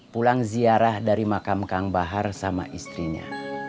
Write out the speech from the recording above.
pulang ziarah dari makam kang bahar sama istrinya